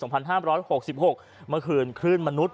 เมื่อคืนคลื่นมนุษย